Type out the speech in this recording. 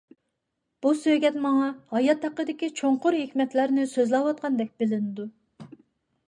بۇ سۆگەت ماڭا ھايات ھەققىدىكى چوڭقۇر ھېكمەتلەرنى سۆزلەۋاتقاندەك بىلىنىدۇ.